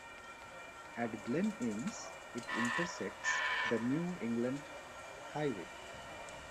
At Glen Innes it intersects the New England Highway.